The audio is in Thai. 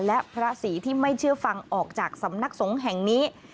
และพระศรีที่ไม่เชื่อฟังออกจากสำนักสงฆ์แห่งนี้